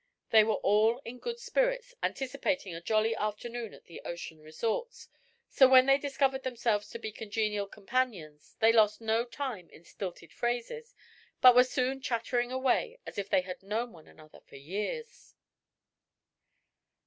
They were all in good spirits, anticipating a jolly afternoon at the ocean resorts, so when they discovered themselves to be congenial companions they lost no time in stilted phrases but were soon chattering away as if they had known one another for years.